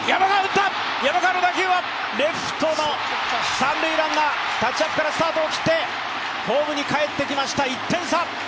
三塁はタッチアップからスタートを切ってホームに帰ってきました、１点差。